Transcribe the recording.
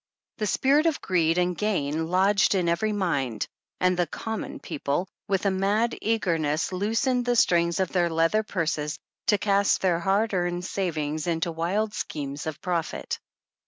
The spirit of greed and gain lodged in every mind, and the Common People " with a mad eagerness loosened the strings of their leather purses to cast their hard earned savings into wild schemes of profit.